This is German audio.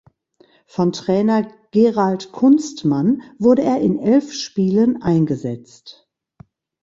Von Trainer Gerald Kunstmann wurde er in elf Spielen eingesetzt.